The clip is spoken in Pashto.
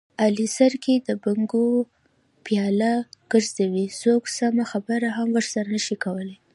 علي سر کې د بنګو پیاله ګرځوي، څوک سمه خبره هم ورسره نشي کولی.